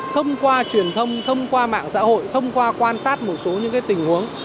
thông qua truyền thông thông qua mạng xã hội thông qua quan sát một số những tình huống